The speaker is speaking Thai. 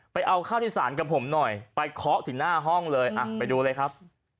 ไปเอาข้าวที่สารกับผมหน่อยไปเคาะถึงหน้าห้องเลยอ่ะไปดูเลยครับ